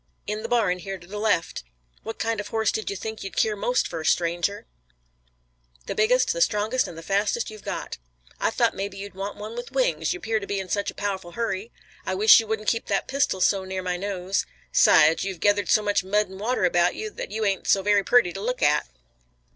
"In the barn here to the left. What kind of a horse did you think you'd keer fur most, stranger?" "The biggest, the strongest and fastest you've got" "I thought mebbe you'd want one with wings, you 'pear to be in such a pow'ful hurry. I wish you wouldn't keep that pistol so near to my nose. 'Sides, you've gethered so much mud an' water 'bout you that you ain't so very purty to look at!"